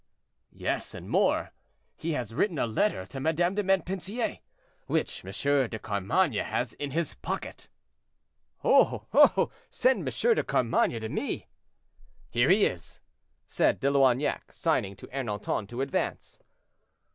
"Yes, and more, he has written a letter to Madame de Montpensier, which M. de Carmainges has in his pocket." "Oh! oh! send M. de Carmainges to me." "Here he is," said De Loignac, signing to Ernanton to advance.